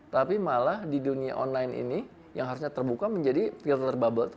tapi malah di dunia online ini yang harusnya terbuka menjadi filter bubble